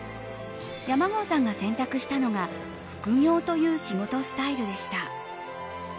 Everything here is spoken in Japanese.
山郷さんが選択したのが複業という仕事スタイルでした。